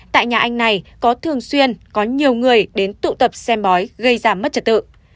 tại nhà anh này có thường xuyên có nhiều người đến tụ tập xem bói gây giảm mất trật tự